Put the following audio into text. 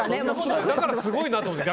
だから、すごいなと思って。